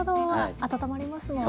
温まりますもんね。